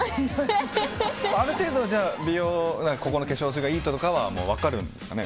ある程度、ここの化粧水がいいとかは分かるんですか？